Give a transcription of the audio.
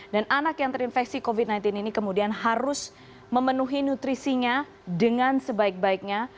dan anak yang terinfeksi covid sembilan belas ini kemudian harus memenuhi nutrisinya dengan sebaik baiknya